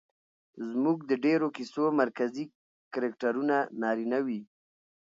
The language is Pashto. زموږ د ډېرو کيسو مرکزي کرکټرونه نارينه وي